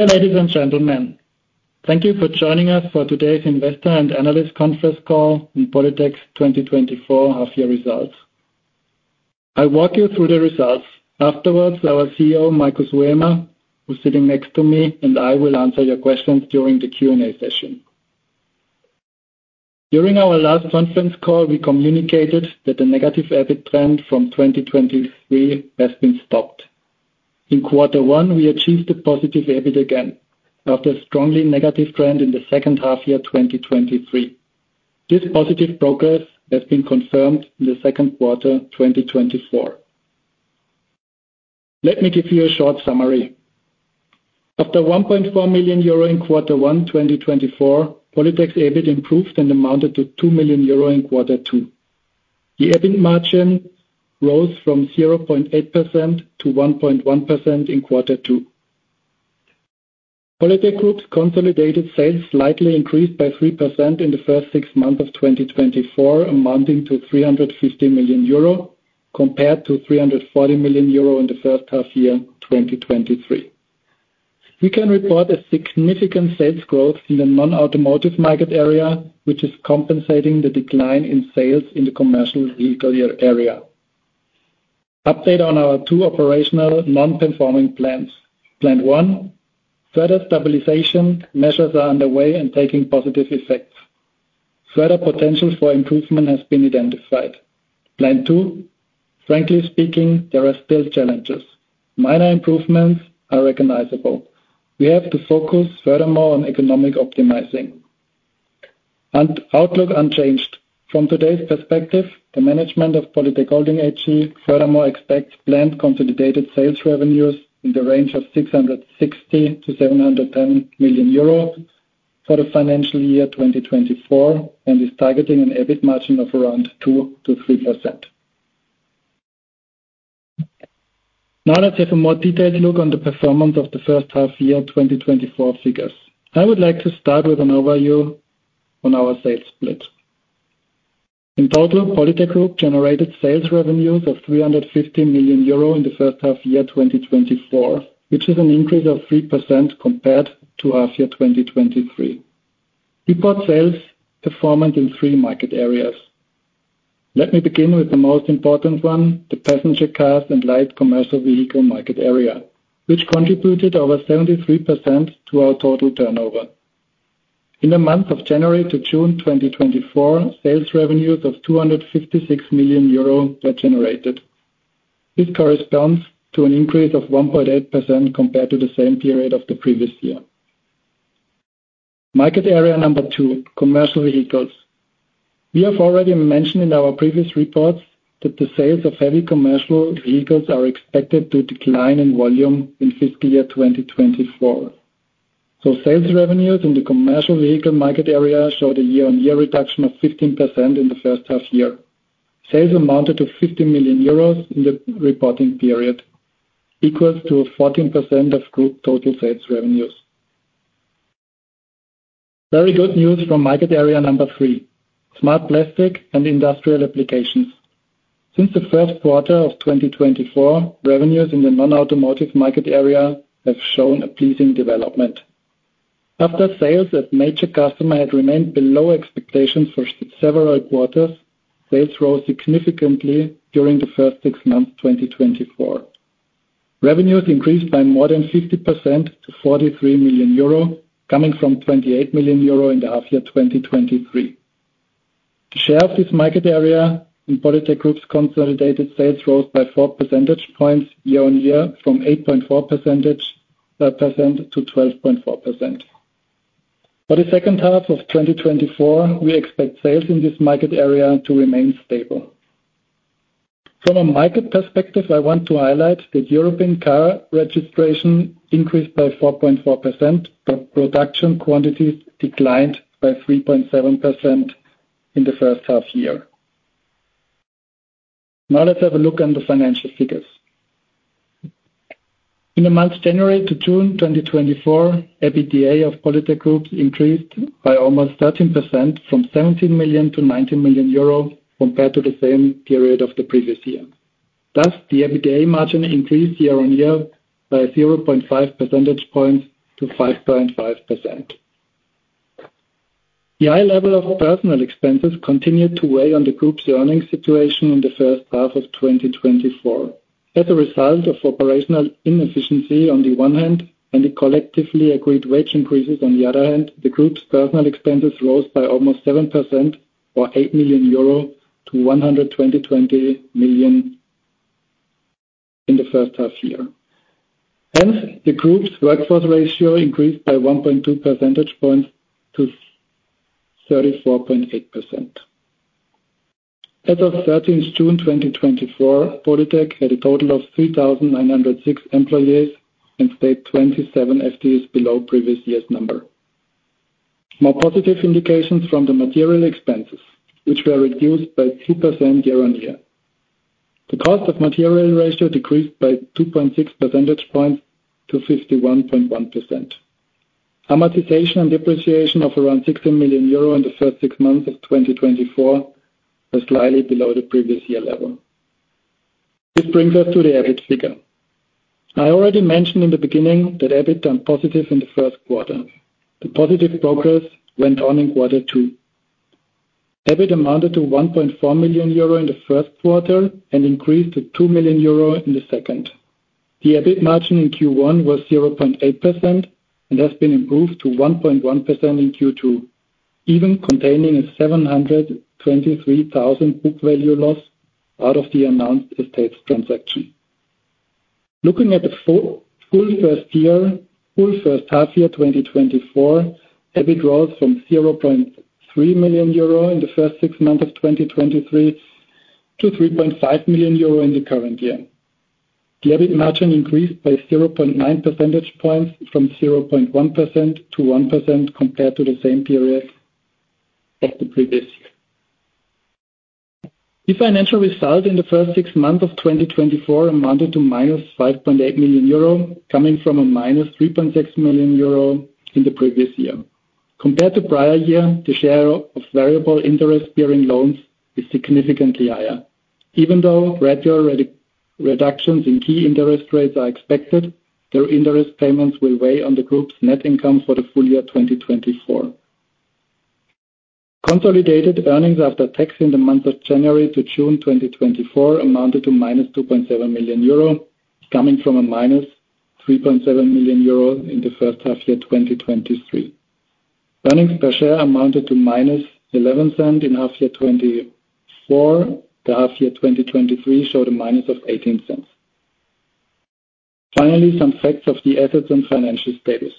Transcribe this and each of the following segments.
Ladies and gentlemen, thank you for joining us for today's Investor and Analyst Conference Call in Polytec's 2024 half-year results. I'll walk you through the results. Afterwards, our CEO, Markus Huemer, who's sitting next to me, and I will answer your questions during the Q&A session. During our last conference call, we communicated that the negative EBIT trend from 2023 has been stopped. In quarter 1, we achieved a positive EBIT again, after a strongly negative trend in the second half-year, 2023. This positive progress has been confirmed in the second quarter, 2024. Let me give you a short summary. After 1.4 million euro in quarter 1, 2024, Polytec's EBIT improved and amounted to 2 million euro in quarter 2. The EBIT margin rose from 0.8%-1.1% in quarter 2. Polytec Group's consolidated sales slightly increased by 3% in the first six months of 2024, amounting to 350 million euro compared to 340 million euro in the first half-year, 2023. We can report a significant sales growth in the non-automotive market area, which is compensating the decline in sales in the commercial vehicle area. Update on our two operational non-performing plants. Plant one, further stabilization measures are underway and taking positive effects. Further potentials for improvement has been identified. Plant two, frankly speaking, there are still challenges. Minor improvements are recognizable. We have to focus furthermore on economic optimizing. Outlook unchanged. From today's perspective, the management of Polytec Holding AG furthermore expects planned consolidated sales revenues in the range of 660 million-710 million euro for the financial year 2024, and is targeting an EBIT margin of around 2%-3%. Now, let's have a more detailed look on the performance of the first half year, 2024 figures. I would like to start with an overview on our sales split. In total, Polytec Group generated sales revenues of 350 million euro in the first half year, 2024, which is an increase of 3% compared to half year, 2023. We break sales performance in three market areas. Let me begin with the most important one, the passenger cars and light commercial vehicle market area, which contributed over 73% to our total turnover. In the month of January to June 2024, sales revenues of 256 million euro were generated. This corresponds to an increase of 1.8% compared to the same period of the previous year. Market area number two, Commercial Vehicles. We have already mentioned in our previous reports that the sales of heavy commercial vehicles are expected to decline in volume in fiscal year 2024. So sales revenues in the commercial vehicle market area showed a year-on-year reduction of 15% in the first half year. Sales amounted to 50 million euros in the reporting period, equals to 14% of group total sales revenues. Very good news from market area number three, Smart Plastic and Industrial Applications. Since the first quarter of 2024, revenues in the non-automotive market area have shown a pleasing development. After sales, as major customer had remained below expectations for several quarters, sales grew significantly during the first six months, 2024. Revenues increased by more than 50% to 43 million euro, coming from 28 million euro in the half year, 2023. The share of this market area in Polytec Group's consolidated sales rose by 4% points year-on-year, from 8.4%-12.4%. For the second half of 2024, we expect sales in this market area to remain stable. From a market perspective, I want to highlight that European car registration increased by 4.4%, but production quantities declined by 3.7% in the first half year. Now, let's have a look on the financial figures. In the months January to June 2024, EBITDA of Polytec Group increased by almost 13%, from 17 million-19 million euro, compared to the same period of the previous year. Thus, the EBITDA margin increased year-on-year by 0.5%-to 5.5%. The high level of personnel expenses continued to weigh on the group's earnings situation in the first half of 2024. As a result of operational inefficiency on the one hand, and the collectively agreed wage increases on the other hand, the group's personnel expenses rose by almost 7% or 8 million-120 million euro in the first half year. Hence, the group's workforce ratio increased by 1.2% points-34.8%. As of 13th June 2024, Polytec had a total of 3,906 employees and stayed 27 FTEs below previous year's number. More positive indications from the material expenses, which were reduced by 2% year-on-year. The cost of material ratio decreased by 2.6- points-51.1%. Amortization and depreciation of around 16 million euro in the first six months of 2024, was slightly below the previous year level. This brings us to the EBIT figure. I already mentioned in the beginning that EBIT turned positive in the first quarter. The positive progress went on in quarter two. EBIT amounted to 1.4 million euro in the first quarter and increased to 2 million euro in the second. The EBIT margin in Q1 was 0.8% and has been improved to 1.1% in Q2, even containing a 723,000 book value loss out of the announced estates transaction. Looking at the full first half year, 2024, EBIT rose from 0.3 million euro in the first six months of 2023 to 3.5 million euro in the current year. The EBIT margin increased by 0.9% points from 0.1%-1% compared to the same period of the previous year. The financial result in the first six months of 2024 amounted to -5.8 million euro, coming from a -3.6 million euro in the previous year. Compared to prior year, the share of variable interest-bearing loans is significantly higher. Even though gradual reductions in key interest rates are expected, their interest payments will weigh on the group's net income for the full-year 2024. Consolidated earnings after tax in the month of January to June 2024 amounted to -2.7 million euro, coming from a -3.7 million euro in the first half year, 2023. Earnings per share amounted to -0.11 EUR in half year 2024. The half year 2023 showed a minus of -0.18 EUR. Finally, some facts of the assets and financial status.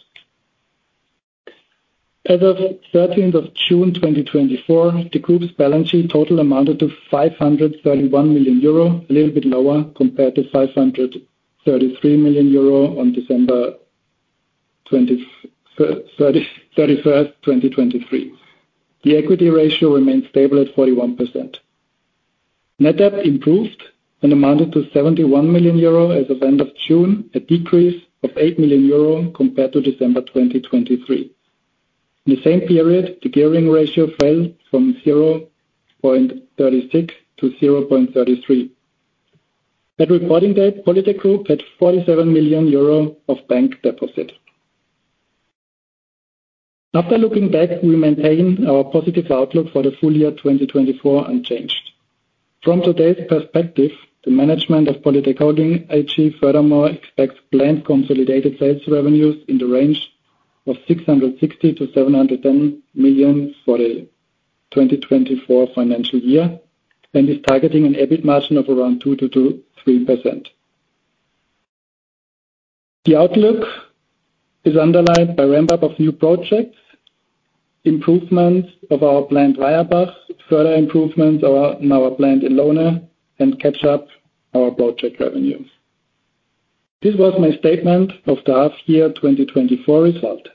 As of 30th of June, 2024, the group's balance sheet total amounted to 531 million euro, a little bit lower compared to 533 million euro on December 31st, 2023. The equity ratio remains stable at 41%. Net debt improved and amounted to 71 million euro as of end of June, a decrease of 8 million euro compared to December 2023. In the same period, the gearing ratio fell from 0.36-0.33. At recording date, Polytec Group had 47 million euro of bank deposit. After looking back, we maintain our positive outlook for the full year 2024 unchanged. From today's perspective, the management of Polytec Holding AG furthermore expects planned consolidated sales revenues in the range of 660 million-710 million for the 2024 financial year, and is targeting an EBIT margin of around 2%-3%. The outlook is underlined by ramp-up of new projects, improvements of our plant, Weierbach, further improvements in our plant in Lohne, and catch up our project revenues. This was my statement of the half year 2024 result.